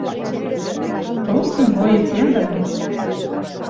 Просто млоец йӓл ганьок.